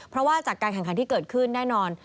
เพราะว่าจากการแข่งขันที่เกิดขึ้นแน่นอน